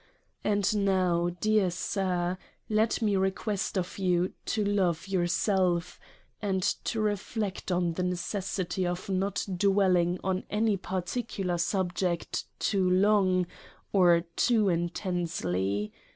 And now, Dear Sir, let me request of you 36 LOVE LETTERS OF MRS. PIOZZI to love yourself and to reflect on the necessity of not dwelling on any particular subject too long, or too intensely.